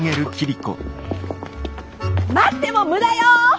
待っても無駄よ！